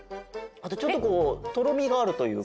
あとちょっとこうとろみがあるというか。